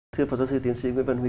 thưa phó giám sư tiến sĩ nguyễn văn huy